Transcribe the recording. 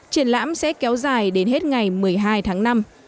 triển lãm sẽ kéo dài đến hết ngày một mươi hai tháng năm